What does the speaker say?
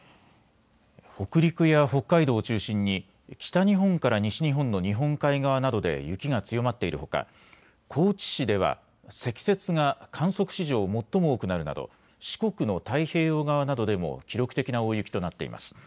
北陸や北海道を中心に北日本から西日本の日本海側などで雪が強まっているほか高知市では積雪が観測史上最も多くなるなど四国の太平洋側などでも記録的な大雪となっています。